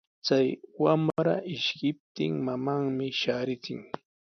Chay wamra ishkiptin mamanmi shaarichin.